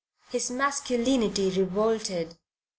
His masculinity revolted.